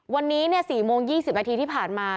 วันนี้๔โมง๒๐นาทีที่ผ่านมา